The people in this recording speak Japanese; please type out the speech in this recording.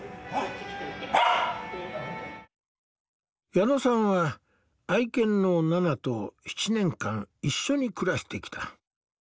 矢野さんは愛犬のナナと７年間一緒に暮らしてきた。